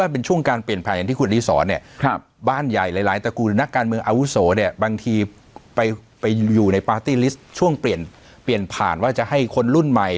ไปอยู่ในปาร์ตี้ลิสต์ช่วงเปลี่ยนผ่านว่าจะให้คนรุ่นใหม่